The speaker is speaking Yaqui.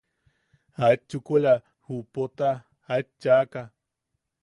Aet chukula ju Pota aet chaʼaka.